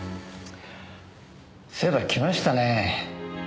そういえば来ましたね。